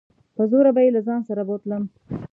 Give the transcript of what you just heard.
په زوره به يې له ځان سره بوتلم.